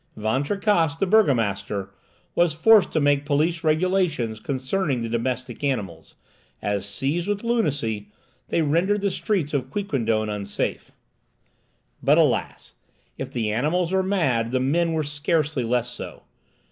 Van Tricasse, the burgomaster, was forced to make police regulations concerning the domestic animals, as, seized with lunacy, they rendered the streets of Quiquendone unsafe. But alas! if the animals were mad, the men were scarcely less so.